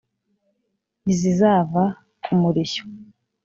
ntizizava ku murishyo.